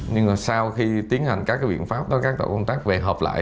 nhưng sau khi tiến hành các quyền pháp các tổ công tác về hợp lại